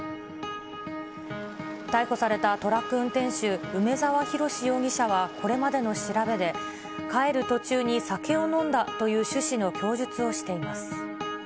逮捕されたトラック運転手、梅沢洋容疑者はこれまでの調べで、帰る途中に酒を飲んだという趣旨の供述をしています。